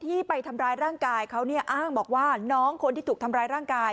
ที่ไปทำร้ายร่างกายเขาเนี่ยอ้างบอกว่าน้องคนที่ถูกทำร้ายร่างกาย